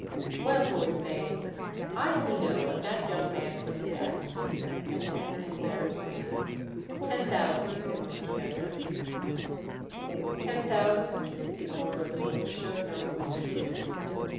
"Well, Lord Theign, I only know what that young man puts it at." And then as the others waited, "Ten thousand," said Mr. Bender. "Ten thousand?" The owner of the work showed no emotion.